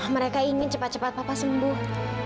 mereka ingin cepat cepat papa sembuh